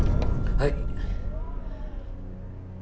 はい。